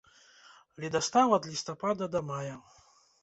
Ледастаў ад лістапада да мая.